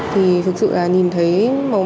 thực sự là nhìn này rất là đẹp